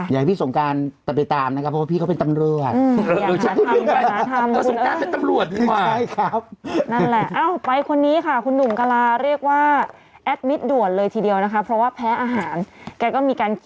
อย่างพี่สงการแต่ไปตามนะครับเพราะว่าพี่เขาเป็นตำรวจ